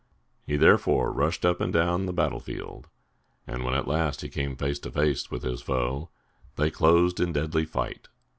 He therefore rushed up and down the battlefield; and when at last he came face to face with his foe, they closed in deadly fight.